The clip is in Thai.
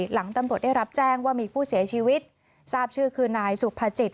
หลังตำรวจได้รับแจ้งว่ามีผู้เสียชีวิตทราบชื่อคือนายสุภาจิต